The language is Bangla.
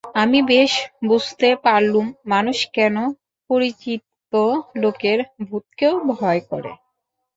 আমি বেশ বুঝতে পারলুম মানুষ কেন পরিচিত লোকের ভূতকেও ভয় করে।